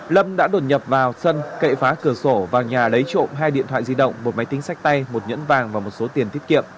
lâm đã đột nhập vào sân cậy phá cửa sổ vào nhà lấy trộm hai điện thoại di động một máy tính sách tay một nhẫn vàng và một số tiền tiết kiệm